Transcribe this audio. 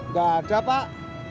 nggak ada pak